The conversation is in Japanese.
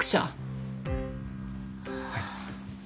はい。